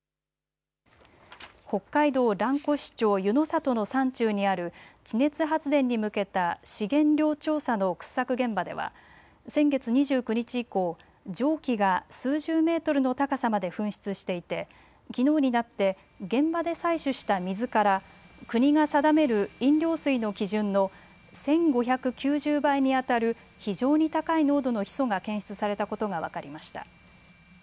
北海道蘭越町湯里の山中にある地熱発電に向けた資源量調査の掘削現場では先月２９日以降、蒸気が数十メートルの高さまで噴出していてきのうになって現場で採取した水から国が定める飲料水の基準の１５９０倍にあたる非常に高い濃度のヒ素が検出されたことが分かりました。